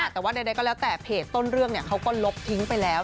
แต่ว่าใดก็แล้วแต่เพจต้นเรื่องเขาก็ลบทิ้งไปแล้ว